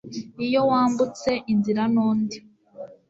iyo wambutse inzira nundi